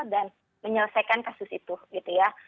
dan menyelesaikan kasus itu gitu ya